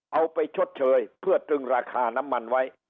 เอาไปชดเชยเพื่อตึงราคาน้ำมันไว้